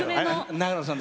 長野さん！